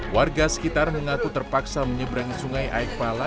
warga sekitar mengaku terpaksa menyeberangi sungai aikpala